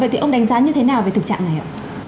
vậy thì ông đánh giá như thế nào về thực trạng này ạ